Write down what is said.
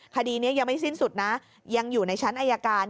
คดีนี้ยังไม่สิ้นสุดนะยังอยู่ในชั้นอายการ